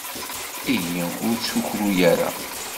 Ihi ur ttkukru ara.